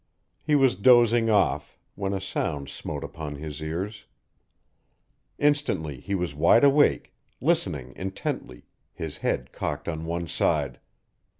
He was dozing off, when a sound smote upon his ears. Instantly he was wide awake, listening intently, his head cocked on one side.